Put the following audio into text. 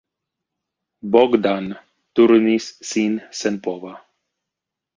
Bogdan turnis sin senpova.